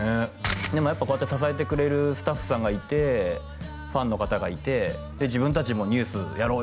でもやっぱこうやって支えてくれるスタッフさんがいてファンの方がいて自分達もＮＥＷＳやろうよって思ってる